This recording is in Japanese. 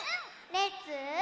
レッツ。